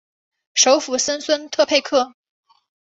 首府森孙特佩克。